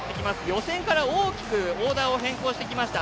予選から大きくオーダーを変更してきました。